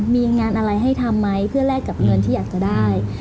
มีงานอะไรให้ทำไหมเพื่อแลกกับเงินที่อยากจะได้